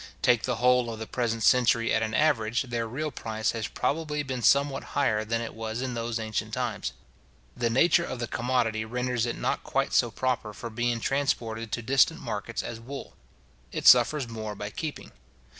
Take the whole of the present century at an average, their real price has probably been somewhat higher than it was in those ancient times. The nature of the commodity renders it not quite so proper for being transported to distant markets as wool. It suffers more by keeping.